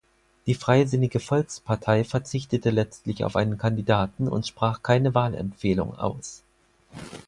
Die Freisinnige Volkspartei verzichtete letztlich auf einen Kandidaten und sprach keine Wahlempfehlung aus.